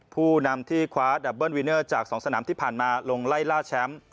ผู้นำที่คว้าดับเบิ้ลวีเนอร์จาก๒สนามที่ผ่านมาลงไล่ล่าแชมป์